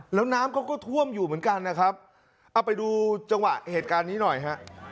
แล้วน้ำเขาก็ท่วมอยู่เหมือนกันนะครับเอาไปดูจังหวะเหตุการณ์นี้หน่อยฮะ